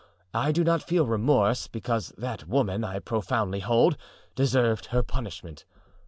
I do not feel remorse, because that woman, I profoundly hold, deserved her punishment.